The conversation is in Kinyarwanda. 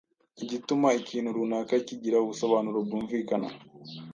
igituma ikintu runaka kigira ubusobanuro bwumvikana"